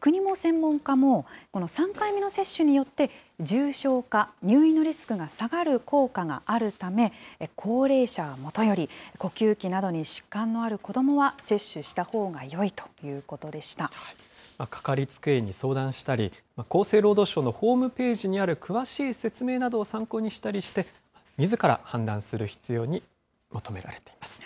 国も専門家も、この３回目の接種によって重症化、入院のリスクが下がる効果があるため、高齢者はもとより、呼吸器などに疾患のある子どもは接種したほうがよいということでかかりつけ医に相談したり、厚生労働省のホームページにある詳しい説明などを参考にしたりして、みずから判断する必要に求められています。